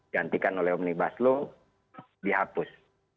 gantikan oleh omni baslo dihapus